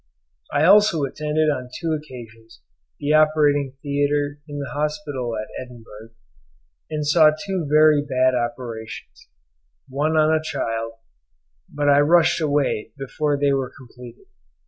I also attended on two occasions the operating theatre in the hospital at Edinburgh, and saw two very bad operations, one on a child, but I rushed away before they were completed.